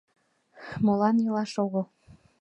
Молан илаш огыл?